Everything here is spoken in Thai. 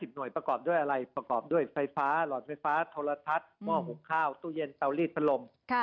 หน่วยประกอบด้วยอะไรประกอบด้วยไฟฟ้าหลอดไฟฟ้าโทรทัศน์หม้อหุงข้าวตู้เย็นเตาลีดพัดลม